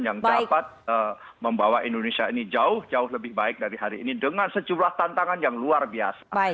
yang dapat membawa indonesia ini jauh jauh lebih baik dari hari ini dengan sejumlah tantangan yang luar biasa